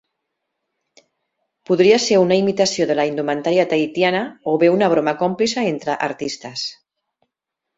Podria ser una imitació de la indumentària tahitiana, o bé una broma còmplice entre artistes.